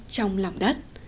trong lòng đất